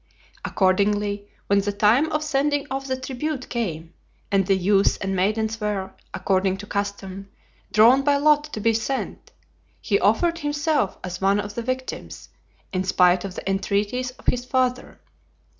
Accordingly, when the time of sending off the tribute came, and the youths and maidens were, according to custom, drawn by lot to be sent, he offered himself as one of the victims, in spite of the entreaties of his father.